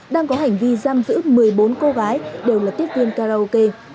đang có hành vi giam giữ một mươi bốn cô gái đều là tiếp viên karaoke